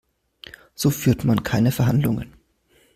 So führt man keine Verhandlungen.